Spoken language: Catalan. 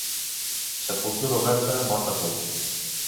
Sepultura oberta, mort a punt.